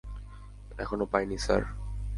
এখনো পাইনি, স্যার।